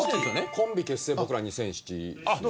コンビ結成僕ら２００７ですね。